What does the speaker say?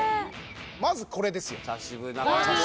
まずこれですよ茶渋